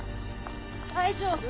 大丈夫？